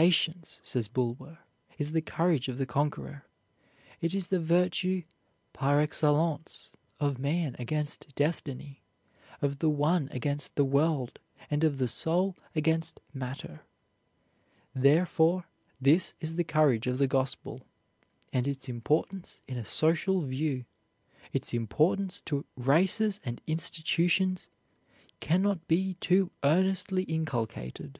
"Patience," says Bulwer "is the courage of the conqueror; it is the virtue par excellence, of Man against Destiny of the One against the World, and of the Soul against Matter. Therefore, this is the courage of the Gospel; and its importance in a social view its importance to races and institutions cannot be too earnestly inculcated."